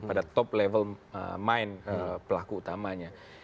pada top level mind pelaku utamanya